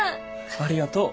ありがとう！